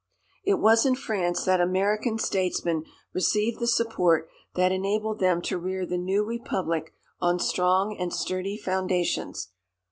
It was in France that American statesmen received the support that enabled them to rear the new republic on strong and sturdy foundations.